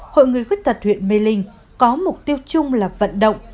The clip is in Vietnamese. hội người khuyết tật huyện mê linh có mục tiêu chung là vận động